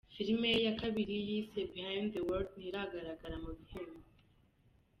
Filime ye ya kabiri yise “Behind The Word” ntiragaragara mu bihembo.